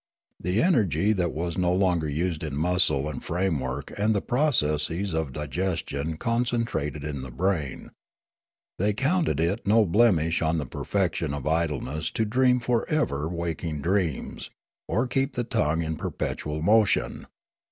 The energy that was no longer used in muscle and framework and the processes of digestion concentrated in the brain. The}' counted it no blemish on the perfection of idleness to dream for ever waking dreams or keep the tongue in perpetual motion.